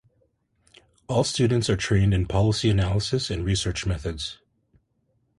All students are trained in policy analysis and research methods.